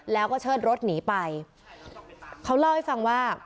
แล้วก็เชิดรถหนีไปเขาเล่าให้ฟังว่า